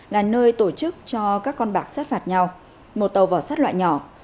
là nơi tổ chức cho các con bạc sát phạt nhau một tàu vỏ sắt loại nhỏ